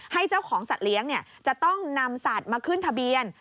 เจ้าของสัตว์เลี้ยงจะต้องนำสัตว์มาขึ้นทะเบียน